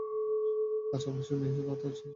আজ আপনার মেয়ে শুধু আত্মহত্যার চেষ্টা করেছে।